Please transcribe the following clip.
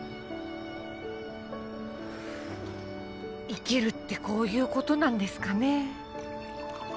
生きるってこういうことなんですかね。